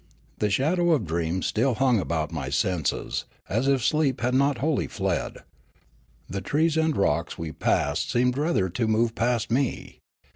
The shadow of dreams still hung about my senses, as if sleep had not wholly fled. The trees and rocks we passed seemed rather to move past me.